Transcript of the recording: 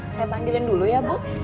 saya panggilin dulu ya bu